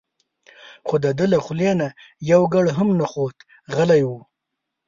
خو دده له خولې نه یو ګړ هم نه خوت غلی و.